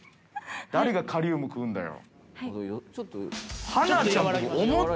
誰がカリウム食うんだよ。